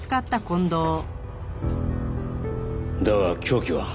だが凶器は？